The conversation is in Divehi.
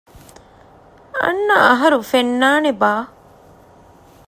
އަންނަ އަހަރު ފެންނާނެބާ؟